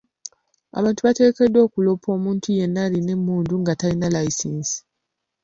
Abantu bateekeddwa okuloopa omuntu yenna ayina emmundu nga tayina layisinsi .